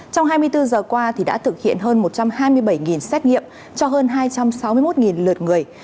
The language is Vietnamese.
trong hai mươi bốn giờ qua đã thực hiện hơn một trăm hai mươi bảy xét nghiệm cho hơn hai trăm sáu mươi một lượt người